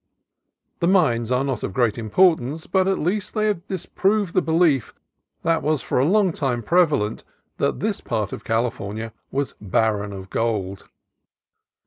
The mines are not of great importance, but at least they have disproved the belief that was for a long time preva lent, that this part of California was barren of gold.